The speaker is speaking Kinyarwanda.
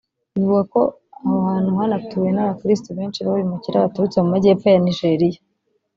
Bivugwa ko aho hantu hanatuwe n’Abakirisitu benshi b’abimukira baturutse mu Majyepfo ya Nigeria